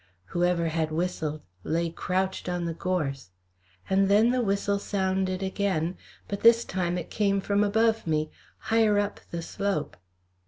Whoever had whistled lay crouched on the gorse. And then the whistle sounded again, but this time it came from above me, higher up the slope.